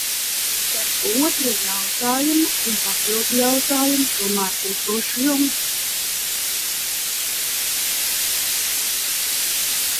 Tad otro jautājumu un papildjautājumu tomēr uzdošu jums.